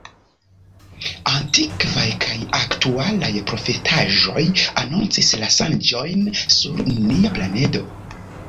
Antikvaj kaj aktualaj profetaĵoj anoncis la ŝanĝojn sur nia planedo.